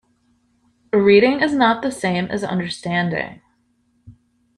Reading is not the same as understanding.